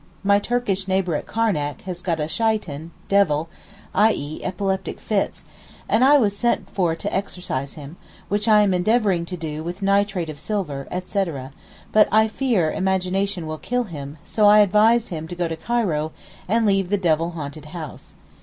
My Turkish neighbour at Karnac has got a shaitan (devil), i.e. epileptic fits, and I was sent for to exorcise him, which I am endeavouring to do with nitrate of silver, etc.; but I fear imagination will kill him, so I advise him to go to Cairo, and leave the devil haunted house.